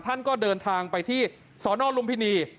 ท่านก็เดินทางไปที่สนลุมพินี